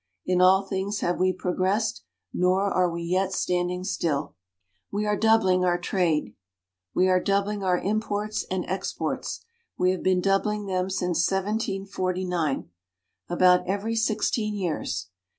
In all things have we progressed; nor are we yet standing still. We are doubling our trade. We are doubling our imports and exports; we have been doubling them since 1749 about every 16 years.